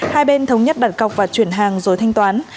hai bên thống nhất đặt cọc và chuyển hàng rồi thanh toán